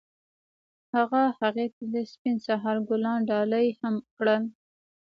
هغه هغې ته د سپین سهار ګلان ډالۍ هم کړل.